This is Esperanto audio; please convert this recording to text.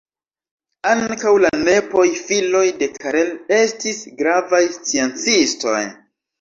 Ankaŭ la nepoj, filoj de Karel, estis gravaj sciencistoj.